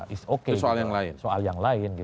itu soal yang lain